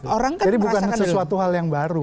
orang kan merasakan sesuatu hal yang baru